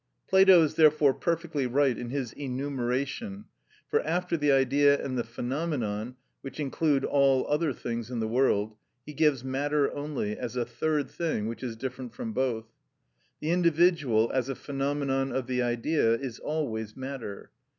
Plato is therefore perfectly right in his enumeration, for after the Idea and the phenomenon, which include all other things in the world, he gives matter only, as a third thing which is different from both (Timaus, p. 345). The individual, as a phenomenon of the Idea, is always matter.